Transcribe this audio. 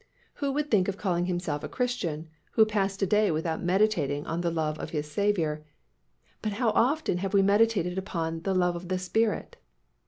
Who would think of calling himself a Christian who passed a day without meditating on the love of his Saviour, but how often have we meditated upon "the love of the Spirit"?